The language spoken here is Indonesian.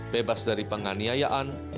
bebas dari penganiayaan